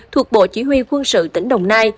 thuộc bộ chỉ huy quân sự tỉnh đồng nai